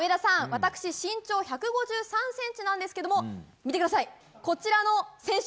私身長１５３ｃｍなんですけど見てください、こちらの選手。